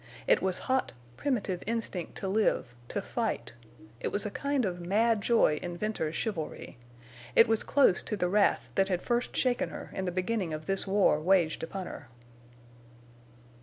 It was hot, primitive instinct to live—to fight. It was a kind of mad joy in Venters's chivalry. It was close to the wrath that had first shaken her in the beginning of this war waged upon her.